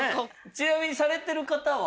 ちなみにされてる方は？